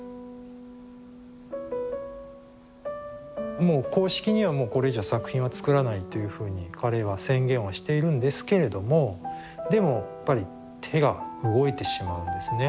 もう公式にはもうこれ以上作品は作らないというふうに彼は宣言はしているんですけれどもでもやっぱり手が動いてしまうんですね。